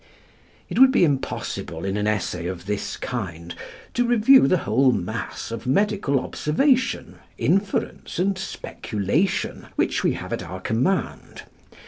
It would be impossible, in an essay of this kind, to review the whole mass of medical observation, inference and speculation which we have at our command.